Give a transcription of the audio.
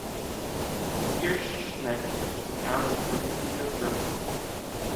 Tierschnecke is a town in Thuringia, Germany.